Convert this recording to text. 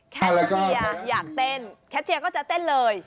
เชียร์อยากเต้นแคทเชียร์ก็จะเต้นเลย